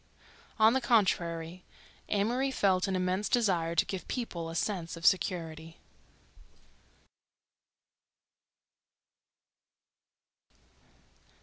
On the contrary, Amory felt an immense desire to give people a sense of security.